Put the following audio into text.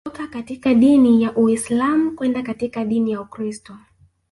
Alitoka katika dini Uislam kwenda katika dini ya Ukristo